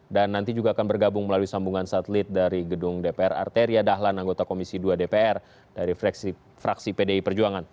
dan nanti juga akan bergabung melalui sambungan satelit dari gedung dpr arteria dahlan anggota komisi dua dpr dari fraksi pdi perjuangan